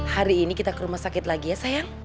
hari ini kita ke rumah sakit lagi ya sayang